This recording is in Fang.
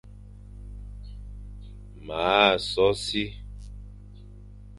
M a so si.